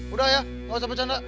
udah ya nggak usah bercanda